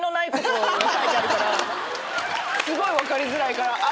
すごい分かりづらいから。